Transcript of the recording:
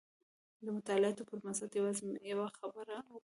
د مطالعاتو پر بنسټ یوازې یوه خبره کوو.